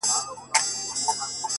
چي واکداران مو د سرونو په زاريو نه سي ـ